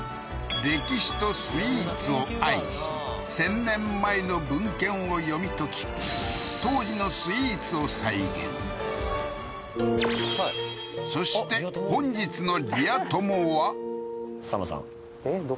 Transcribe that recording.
歴史とスイーツを愛し１０００年前の文献を読み解き当時のスイーツを再現そして本日のリア友はＳＡＭさん？